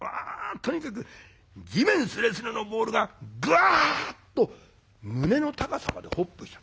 「とにかく地面スレスレのボールがグワッと胸の高さまでホップした」と。